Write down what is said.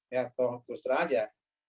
ya tolong terus terang aja